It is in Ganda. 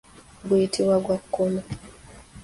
Guyitibwa gwa nkono.